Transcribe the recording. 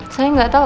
saya gak tau